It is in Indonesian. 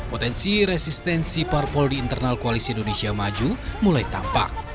potensi resistensi parpol di internal koalisi indonesia maju mulai tampak